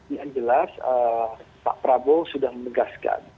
yang jelas pak prabowo sudah menegaskan